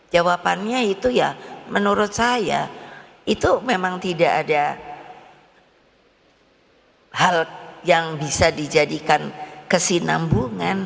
jawabannya itu ya menurut saya itu memang tidak ada hal yang bisa dijadikan kesinambungan